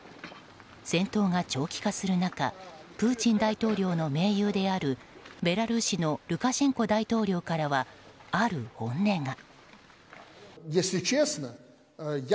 戦闘が長期化する中プーチン大統領の盟友であるベラルーシのルカシェンコ大統領からはある本音が。